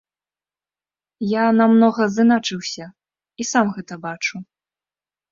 Я намнога зыначыўся і сам гэта бачу.